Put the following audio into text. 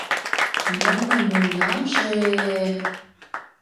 — Мом мый муынамже-э-э...